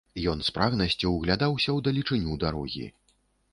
Ён з прагнасцю ўглядаўся ў далечыню дарогі.